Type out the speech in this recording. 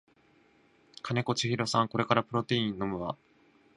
金子千尋さんこれからプロテイン飲むわ